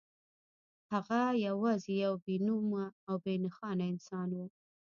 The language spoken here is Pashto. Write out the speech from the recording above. هغه یوازې یو بې نومه او بې نښانه انسان و